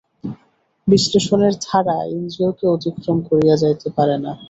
বিশ্লেষণের ধারা ইন্দ্রিয়কে অতিক্রম করিয়া যাইতে পারে না।